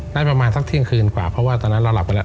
ได้ประมาณสักเที่ยงคืนกว่าเพราะว่าตอนนั้นเราหลับไปแล้ว